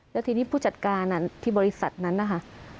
แล้วทีนี้ผู้จัดการที่บริษัทนั้นนะคะ